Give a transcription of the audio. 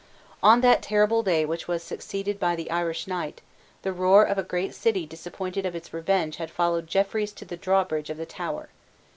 On that terrible day which was succeeded by the Irish Night, the roar of a great city disappointed of its revenge had followed Jeffreys to the drawbridge of the Tower.